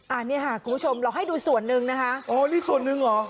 อันนี้ค่ะคุณผู้ชมเราให้ดูส่วนหนึ่งนะคะโอ้นี่ส่วนหนึ่งเหรอ